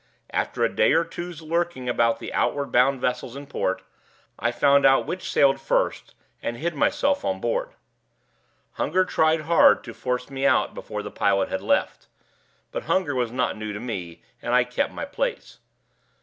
After a day or two's lurking about the outward bound vessels in port, I found out which sailed first, and hid myself on board. Hunger tried hard to force me out before the pilot had left; but hunger was not new to me, and I kept my place.